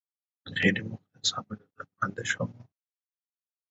The rocks at Godrevy are Devonian mudstones overlain with Quaternary ice age deposits.